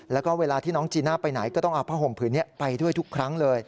แล้วก็เวลาที่น้องจีน่าไปไหนก็ต้องเอาผ้าห่มผืนนี้ไปด้วยทุกครั้งเลย